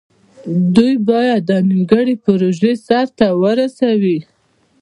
دوی باید دا نیمګړې پروژه سر ته ورسوي.